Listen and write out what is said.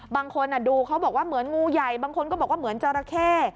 บางคนดูเขาบอกว่าเหมือนงูใหญ่บางคนก็บอกว่าเหมือนจราเข้